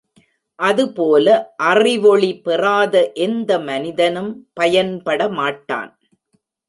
அதுபோல அறிவொளி பெறாத எந்த மனிதனும் பயன்படமாட்டான்.